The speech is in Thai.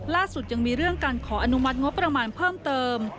ล่าสุดยังมีเรื่องการขออนุมัติงบประมาณเพิ่มเติม